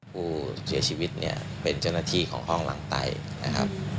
ผู้เสียชีวิตเป็นเจ้าหน้าที่ของห้องหลังไตร